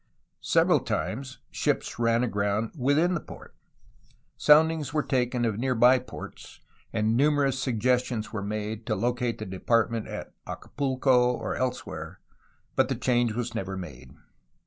Several times, ships ran aground within the port. Soundings were taken of near by ports, and numerous suggestions were made to locate the Department at Acapulco or elsewhere, but the change was never made.